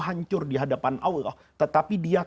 hancur dihadapan allah tetapi dia